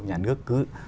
nhà nước cứ